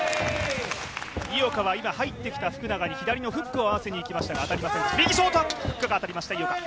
井岡は今、入ってきた福永に左のフックを当てにいきましたが、うまくいきませんでした。